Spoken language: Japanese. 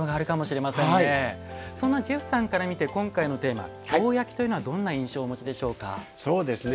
そんなジェフさんから見て今回のテーマ「京焼」というのはどんな印象をお持ちでしょうか？